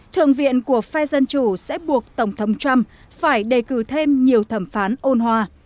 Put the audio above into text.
thượng viện của phe dân chủ sẽ buộc tổng thống trump phải đề cử thêm nhiều thẩm phán ôn hòa